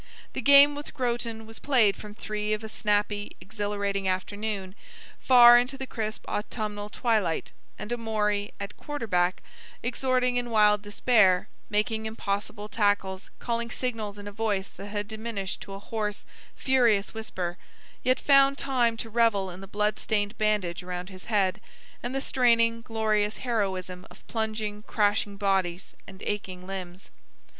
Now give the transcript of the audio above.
The game with Groton was played from three of a snappy, exhilarating afternoon far into the crisp autumnal twilight, and Amory at quarter back, exhorting in wild despair, making impossible tackles, calling signals in a voice that had diminished to a hoarse, furious whisper, yet found time to revel in the blood stained bandage around his head, and the straining, glorious heroism of plunging, crashing bodies and aching limbs.